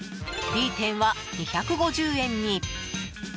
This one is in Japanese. Ｄ店は２５０円に。